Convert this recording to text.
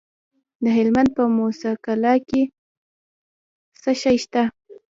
د هلمند په موسی قلعه کې څه شی شته؟